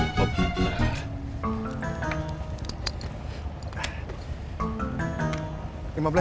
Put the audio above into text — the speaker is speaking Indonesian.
bapak bapak bapak